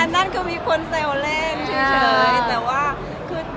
อันนั้นมีคนแสวเล่นแต่ว่า